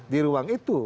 di ruang itu